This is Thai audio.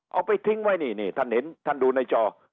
เอาไปทิ้งไว้นี่นี่ท่านเห็นท่านดูในจอ